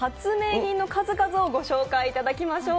品の数々をご紹介いただきましょう。